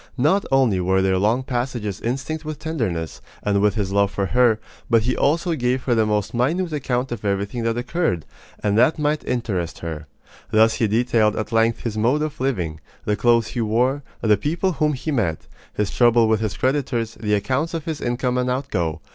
Not only were there long passages instinct with tenderness, and with his love for her; but he also gave her the most minute account of everything that occurred, and that might interest her. Thus he detailed at length his mode of living, the clothes he wore, the people whom he met, his trouble with his creditors, the accounts of his income and outgo.